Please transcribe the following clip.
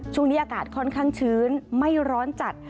ช่วงนี้อากาศค่อนข้างชื้นไม่ร้อนจัด